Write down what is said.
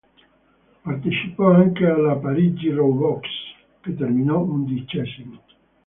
Partecipò anche alla Parigi-Roubaix che terminò undicesimo.